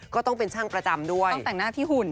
ก็ต้องเป็นช่างประจำด้วยต้องแต่งหน้าที่หุ่น